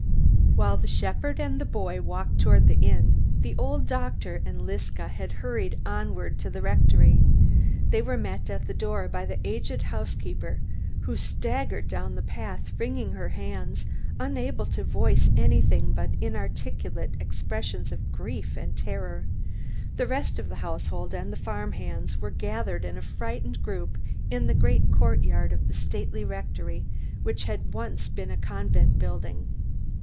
While the shepherd and the boy walked toward the inn, the old doctor and Liska had hurried onward to the rectory. They were met at the door by the aged housekeeper, who staggered down the path wringing her hands, unable to give voice to anything but inarticulate expressions of grief and terror. The rest of the household and the farm hands were gathered in a frightened group in the great courtyard of the stately rectory which had once been a convent building.